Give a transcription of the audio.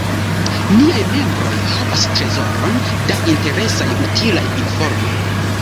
Niaj membroj havas trezoron da interesaj, utilaj informoj.